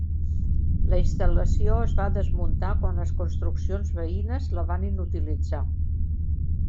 La instal·lació es va desmuntar quan les construccions veïnes la van inutilitzar.